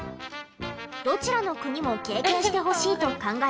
どちらの国も経験してほしいと考え。